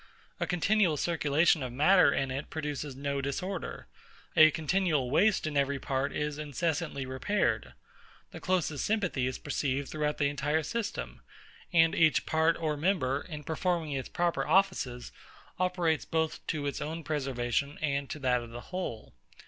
A continual circulation of matter in it produces no disorder: a continual waste in every part is incessantly repaired: the closest sympathy is perceived throughout the entire system: and each part or member, in performing its proper offices, operates both to its own preservation and to that of the whole.